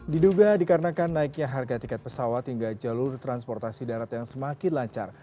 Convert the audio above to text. diduga dikarenakan naiknya harga tiket pesawat hingga jalur transportasi darat yang semakin lancar